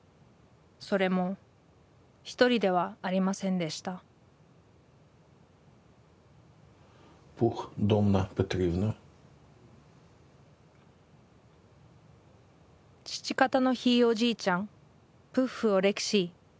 それも一人ではありませんでした父方のひいおじいちゃんプッフ・オレクシー。